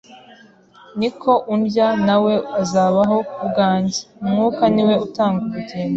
ni ko undya na we azabaho ku bwanjye[…] Umwuka ni we utanga ubugingo,